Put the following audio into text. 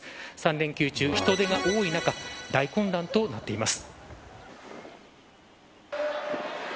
３連休中、人出が多い中大混乱となっています。